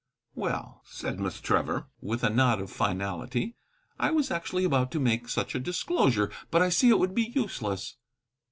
"Well," said Miss Trevor, with a nod of finality, "I was actually about to make such a disclosure. But I see it would be useless."